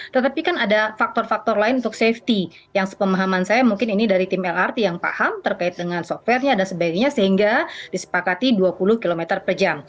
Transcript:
tetapi kan ada faktor faktor lain untuk safety yang sepemahaman saya mungkin ini dari tim lrt yang paham terkait dengan software nya dan sebagainya sehingga disepakati dua puluh km per jam